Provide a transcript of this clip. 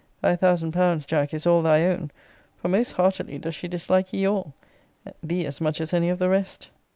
Thy thousand pounds, Jack, is all thy own: for most heartily does she dislike ye all thee as much as any of the rest.